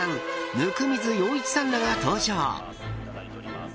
温水洋一さんらが登場。